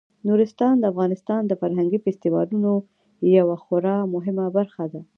نورستان د افغانستان د فرهنګي فستیوالونو یوه خورا مهمه برخه ده.